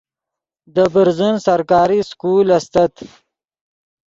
دے برزن سرکاری سکول استت